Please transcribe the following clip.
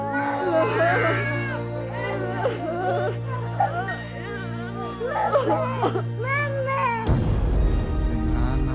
bantu kita bu